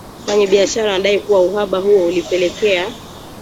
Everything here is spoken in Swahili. Wafanyabiashara wanadai kuwa uhaba huo ulipelekea